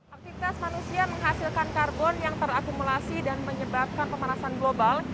aktivitas manusia menghasilkan karbon yang terakumulasi dan menyebabkan pemanasan global